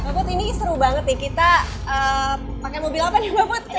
mbak putri ini seru banget nih kita pakai mobil apa nih mbak putri